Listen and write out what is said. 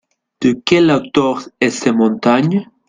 De quel hauteur est cette montagne ?